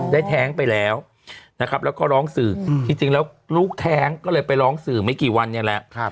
แท้งไปแล้วนะครับแล้วก็ร้องสื่อจริงแล้วลูกแท้งก็เลยไปร้องสื่อไม่กี่วันเนี่ยแหละ